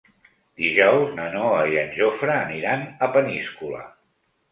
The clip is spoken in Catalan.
Dijous na Noa i en Jofre aniran a Peníscola.